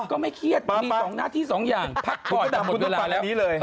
ก็ไม่เครียดมีหน้าที่สองอย่างพักก่อนกับเวลาหมดแล้ว